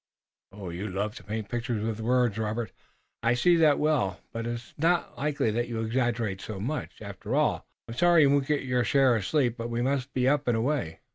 "You love to paint pictures with words, Robert. I see that well, but 'tis not likely that you exaggerate so much, after all. I'm sorry you won't get your share of sleep, but we must be up and away."